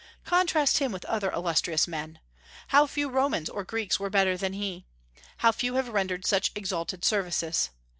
Contrast him with other illustrious men. How few Romans or Greeks were better than he! How few have rendered such exalted services!